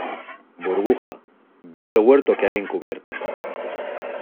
burbuja, ve al huerto que hay en cubierta